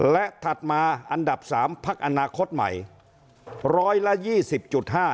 และถัดมาอันดับ๓พักอนาคตใหม่๑๒๐๕เนี่ย